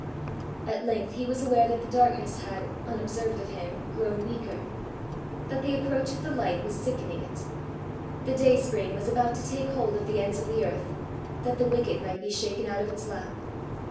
At length he was aware that the darkness had, unobserved of him, grown weaker that the approach of the light was sickening it: the dayspring was about to take hold of the ends of the earth that the wicked might be shaken out of its lap.